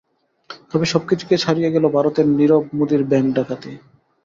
তবে সবকিছুকে ছাড়িয়ে গেল ভারতের নীরব মোদির ব্যাংক ডাকাতি।